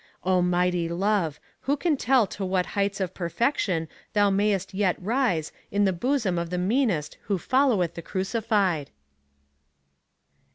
O mighty Love, who can tell to what heights of perfection thou mayest yet rise in the bosom of the meanest who followeth the Crucified!